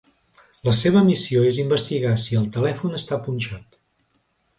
La seva missió és investigar si el telèfon està punxat.